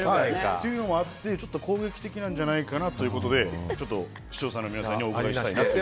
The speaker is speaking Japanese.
そういうこともあって攻撃的なんじゃないかということで視聴者の皆さんにお伺いしたいなと。